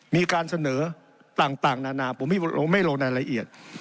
มีการเสนอต่างนานาผมไม่ลงรายละเอียด